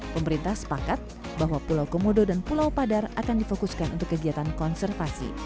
pemerintah sepakat bahwa pulau komodo dan pulau padar akan difokuskan untuk kegiatan konservasi